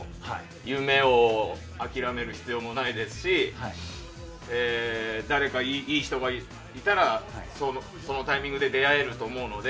夢を諦める必要もないですし誰かいい人がいたらそのタイミングで出会えると思うので。